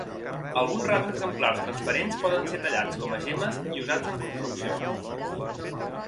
Alguns rars exemplars transparents poden ser tallats com a gemmes i usats en construcció.